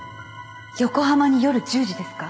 横浜に夜１０時ですか？